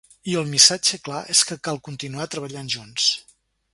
I el missatge clar és que cal continuar treballant junts.